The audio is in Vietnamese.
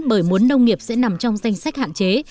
bởi muốn nông nghiệp sẽ nằm trong danh sách hạn chế